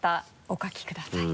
お書きください。